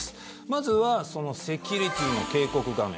まずはセキュリティーの警告画面。